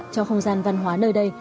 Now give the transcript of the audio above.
cho không gian văn hóa nơi đây